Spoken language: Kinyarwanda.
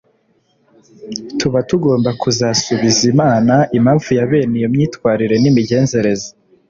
tuba tugomba kuzasubiza imana impamvu ya bene iyo myitwarire n'imigenzereze